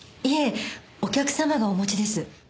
いえお客様がお持ちです。